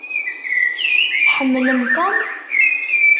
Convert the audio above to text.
Tḥemmlem Tom?